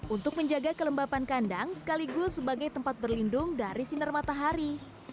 untuk menjaga kelembapan kandang sekaligus sebagai tempat berlindung dari sinar matahari